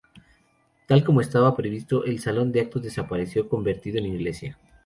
Tal como estaba previsto el salón de actos desapareció, convertido en iglesia.